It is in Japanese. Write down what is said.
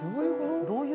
どういう？